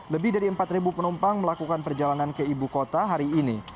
lebih dari empat penumpang melakukan perjalanan ke ibu kota hari ini